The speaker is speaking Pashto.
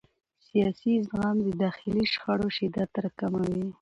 سیاسي زغم د داخلي شخړو شدت راکموي